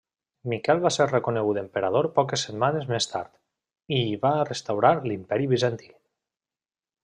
Miquel va ser reconegut emperador poques setmanes més tard, i hi va restaurar l'imperi Bizantí.